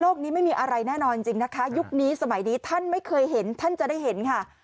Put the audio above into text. นี้ไม่มีอะไรแน่นอนจริงนะคะยุคนี้สมัยนี้ท่านไม่เคยเห็นท่านจะได้เห็นค่ะ